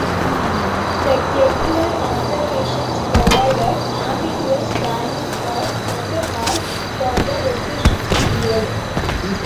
The "Kepler" observations provided ambiguous values of and hours for the rotation period.